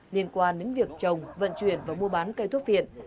liên quan đến việc trồng vận chuyển và mua bán cây thuốc viện